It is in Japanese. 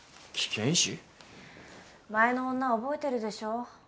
前の女覚えてるでしょ？